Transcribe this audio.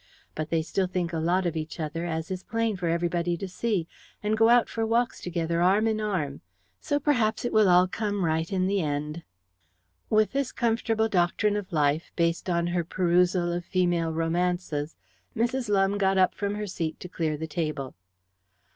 But they still think a lot of each other, as is plain for everybody to see, and go out for walks together arm in arm. So perhaps it will all come right in the end." With this comfortable doctrine of life, based on her perusal of female romances, Mrs. Lumbe got up from her seat to clear the table.